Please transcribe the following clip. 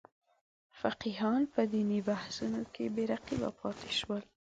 فقیهان په دیني بحثونو کې بې رقیبه پاتې شول.